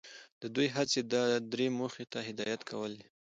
د دوی هڅې د ادارې موخې ته هدایت کول دي.